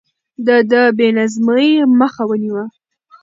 ده د بې نظمۍ مخه ونيوه.